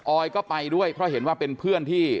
อยก็ไปด้วยเพราะเห็นว่าเป็นเพื่อนที่